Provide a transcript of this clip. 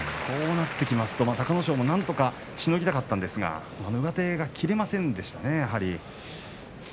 こうなると隆の勝もなんとかしのぎたかったんですが上手が切れませんでしたね。